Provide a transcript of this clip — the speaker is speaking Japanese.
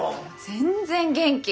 全然元気。